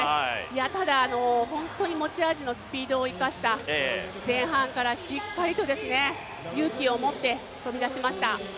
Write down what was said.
ただ、本当に持ち味のスピードを生かした前半からしっかりと勇気を持って飛び出しました。